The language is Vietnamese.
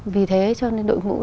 vì thế cho nên đội ngũ